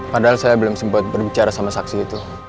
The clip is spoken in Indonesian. padahal saya belum sempat berbicara sama saksi itu